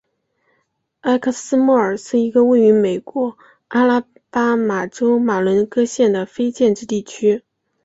埃克斯莫尔是一个位于美国阿拉巴马州马伦戈县的非建制地区。